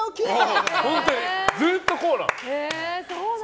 ずっとこうなのよ。